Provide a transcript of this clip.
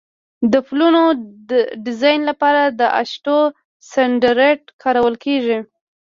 د پلونو ډیزاین لپاره د اشټو سټنډرډ کارول کیږي